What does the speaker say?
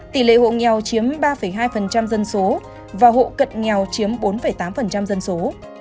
tỷ lệ hộ nghèo chiếm ba hai dân số và hộ cận nghèo chiếm bốn tám dân số